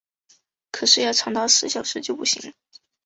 可是要长达十小时就不行了